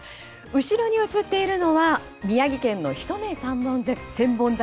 後ろに映っているのは宮城県の一目千本桜